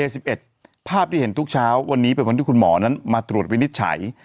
ภาพที่เห็นทุกเช้าวันนี้เป็นวันที่คุณหมอนั้นมาตรวจวินิจฉัย